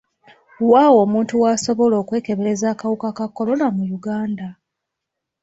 Wa omuntu w'asobola okwekebereza akawuka ka kolona mu Uganda?